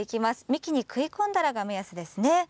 幹に食い込んだらが目安ですね。